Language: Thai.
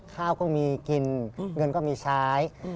ข้าวก็มีกินเงินก็มีใช้